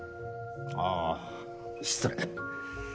ああ失礼。